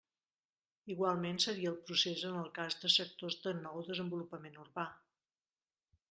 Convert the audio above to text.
Igualment seria el procés en el cas de sectors de nou desenvolupament urbà.